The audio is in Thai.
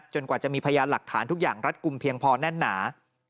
กว่าจะมีพยานหลักฐานทุกอย่างรัดกลุ่มเพียงพอแน่นหนา